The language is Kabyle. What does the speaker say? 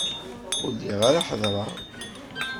Ur lliɣ ara heddreɣ...